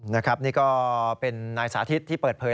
นะครับนี่ก็เป็นนายสาธิตที่เปิดเผย